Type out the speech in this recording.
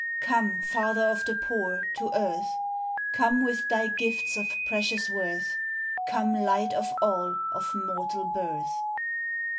Come, Father of the poor, to earth; Come, with thy gifts of precious worth; Come Light of all of mortal birth!